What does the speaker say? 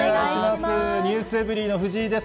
ｎｅｗｓｅｖｅｒｙ．の藤井です。